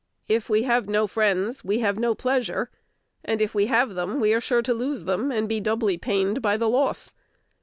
If we have no friends, we have no pleasure; and, if we have them, we are sure to lose them, and be doubly pained by the loss.